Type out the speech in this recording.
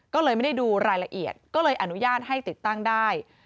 ก็เลยไม่ได้ดูรายละเอียดก็เลยอนุญาตให้ติดตั้งได้